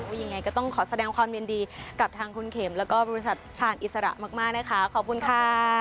ยังไงก็ต้องขอแสดงความยินดีกับทางคุณเข็มแล้วก็บริษัทชาญอิสระมากนะคะขอบคุณค่ะ